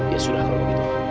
ya sudah kalau begitu